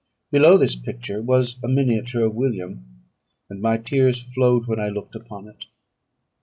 Below this picture was a miniature of William; and my tears flowed when I looked upon it.